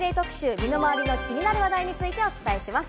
身の周りの気になる話題についてお伝えします。